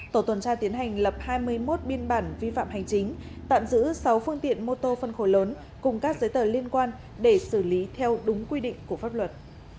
tổ tuần tra tiến hành lập hai mươi một biên bản vi phạm hành chính tạm giữ sáu phương tiện mô tô phân khối lớn cùng các giấy tờ liên quan để xử lý theo đúng quy định của pháp luật